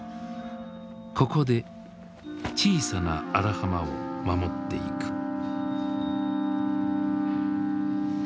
ここで小さな荒浜を守っていく。